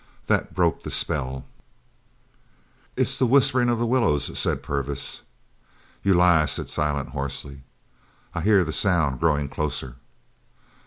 That broke the spell. "It's the whisperin' of the willows," said Purvis. "You lie," said Silent hoarsely. "I hear the sound growing closer."